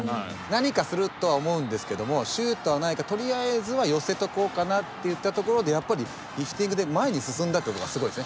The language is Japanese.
何かするとは思うんですけどもシュートはないかとりあえずは寄せとこうかなっていったところでやっぱりリフティングで前に進んだっていうのがすごいですね。